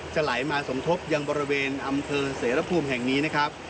ไหลมาสมทบยังบริเวณอำเภอเสรภูมิแห่งนี้นะครับ